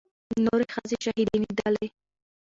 نورې ښځې شهيدانېدلې.